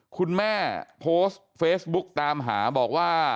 คุณแม่โพสต์เฟซบุ๊กตามหาบอกว่า